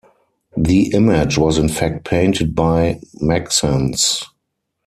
The image was in fact painted by Maxence.